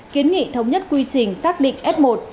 kiến nghị thống nhất quy trình xác định f một